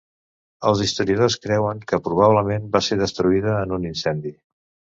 Els historiadors creuen que, probablement, va ser destruïda en un incendi.